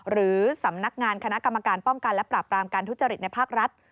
หรือสำนักงานคณะกรรมการป้องกันและปราบปรามการทุจริตในภาครัฐ